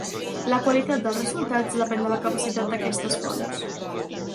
La qualitat dels resultats depèn de la capacitat d'aquestes fonts.